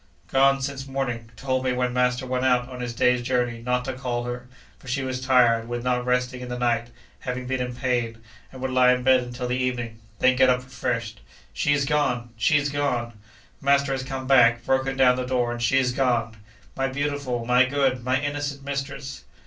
'Gone since morning—told me, when master went out on his day's journey, not to call her, for she was tired with not resting in the night (having been in pain), and would lie in bed until the evening; then get up refreshed. She is gone!—she is gone! Master has come back, broken down the door, and she is gone! My beautiful, my good, my innocent mistress!